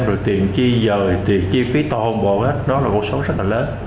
rồi tiền chi dời tiền chi phí tổ hồn bộ hết đó là một số rất là lớn